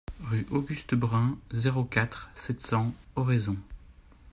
Rue Auguste Brun, zéro quatre, sept cents Oraison